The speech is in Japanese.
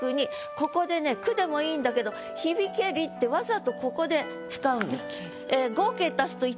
ここでね「く」でもいいんだけど「響けり」ってわざとここで使うんです。